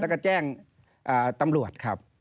แล้วก็แจ้งตำรวจครับ